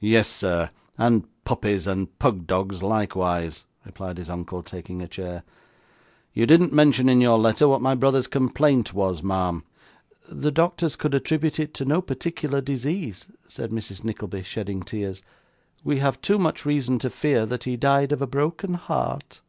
'Yes, sir, and puppies, and pug dogs likewise,' replied his uncle, taking a chair. 'You didn't mention in your letter what my brother's complaint was, ma'am.' 'The doctors could attribute it to no particular disease,' said Mrs Nickleby; shedding tears. 'We have too much reason to fear that he died of a broken heart.